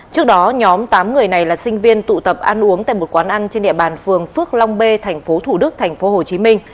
trước đó nhóm tám người này là sinh viên tụ tập ăn uống tại một quán ăn trên địa bàn phường phước long b tp thủ đức tp hcm